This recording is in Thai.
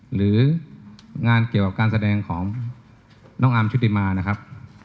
หรืองานเกี่ยวกับการแสดงของน้องอาร์มชุติมานะครับ